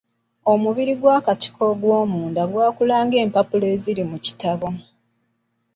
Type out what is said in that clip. Omubiri gw'akatiko ogw'omunda gwakula ng'empapula eziri mu kitabo.